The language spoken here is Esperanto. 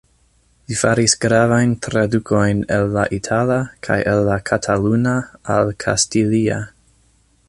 Li faris gravajn tradukojn el la itala kaj el la kataluna al kastilia.